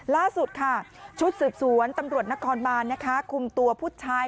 ล่าสุดค่ะชุดสืบสวนตำรวจนครบานนะคะคุมตัวผู้ชาย